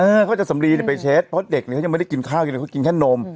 เออเขาจะสำลีไปเช็ดเพราะเด็กยังไม่ได้กินข้าวกินแค่นม